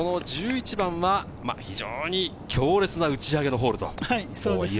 １１番は非常に強烈な打ち上げのホール。